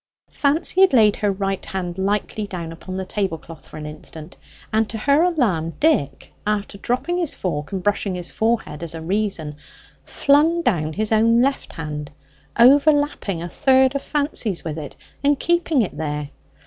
Fancy had laid her right hand lightly down upon the table cloth for an instant, and to her alarm Dick, after dropping his fork and brushing his forehead as a reason, flung down his own left hand, overlapping a third of Fancy's with it, and keeping it there.